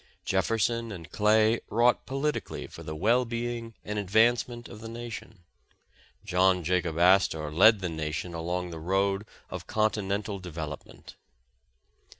Jefferson and Clay wrought politi cally for the well being and advancement of the na tion; John Jacob Astor led the nation along the road of continental development.